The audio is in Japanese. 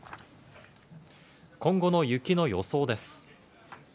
今後の雪の予想です。